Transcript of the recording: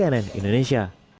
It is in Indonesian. tim liputan cnn indonesia